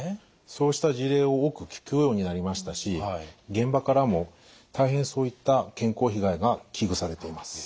そうした事例を多く聞くようになりましたし現場からも大変そういった健康被害が危惧されています。